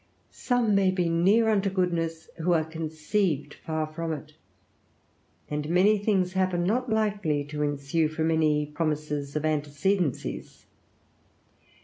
Some may be near unto goodness who are conceived far from it; and many things happen not likely to ensue from any promises of antecedencies.